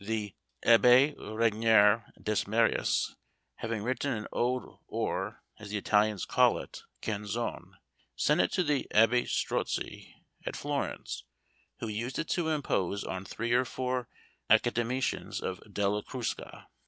The Abbé Regnier Desmarais, having written an ode or, as the Italians call it, canzone, sent it to the Abbé Strozzi at Florence, who used it to impose on three or four academicians of Della Crusca.